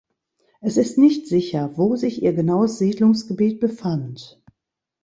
Es ist nicht sicher, wo sich ihr genaues Siedlungsgebiet befand.